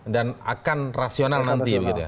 dan akan rasional nanti